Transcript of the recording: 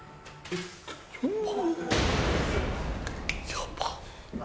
やばっ！